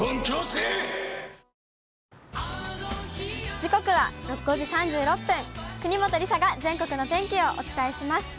時刻は５時３６分、国本梨紗が全国の天気をお伝えします。